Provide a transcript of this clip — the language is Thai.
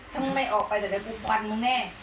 ถ้ามึงไม่ออกไปเดี๋ยวเดี๋ยวกูปว่านมึงแน่